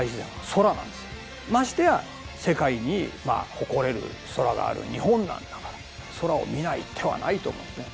ましてや世界に誇れる空がある日本なんだから空を見ない手はないと思うんですね。